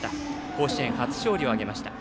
甲子園初勝利を挙げました。